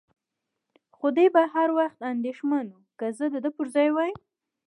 خو دی به هر وخت اندېښمن و، که زه د ده پر ځای وای.